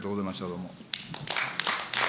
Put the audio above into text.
どうも。